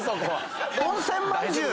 温泉まんじゅう！